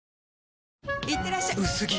いってらっしゃ薄着！